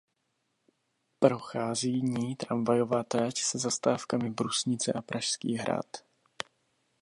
Prochází ní tramvajová trať se zastávkami "Brusnice" a "Pražský hrad".